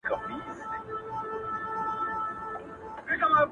د دغه ښار ښکلي غزلي خیالوري غواړي